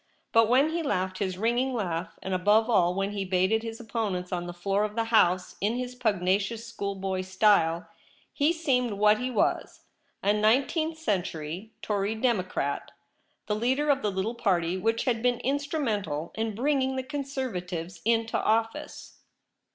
But when he laughed his ringing laugh, and above all when he baited his opponents on the floor of the House in his pugnacious school boy style, he seemed what he was, a nine teenth century Tory Democrat, the leader of THE REBEL ROSE. the little party which had been instrumental in bringing the Conservatives into office.